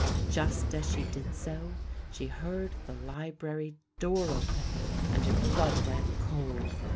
Just as she did so, she heard the library door open and her blood ran cold.